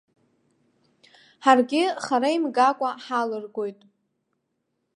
Ҳаргьы хара имгакәа ҳалыргоит.